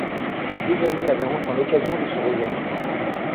Les deux amis avaient enfin l'occasion de se revoir.